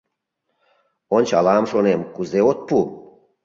«Ончалам, — шонем, — кузе от пу!»